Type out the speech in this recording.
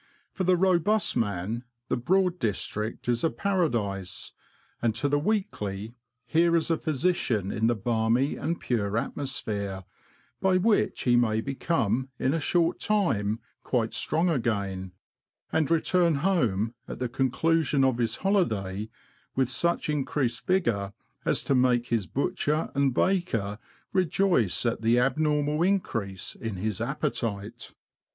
For the robust man, the Broad district is a para dise ; and to the weakly, here is a physician in the balmy and pure atmosphere, by which he may become in a short time quite strong again, and return home, at the conclusion of his holiday, with such increased vigour as to make his butcher and baker rejoice at the abnormal increase in his appetite.